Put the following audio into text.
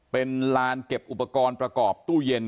เป็นลานเก็บอุปกรณ์ประกอบตู้เย็น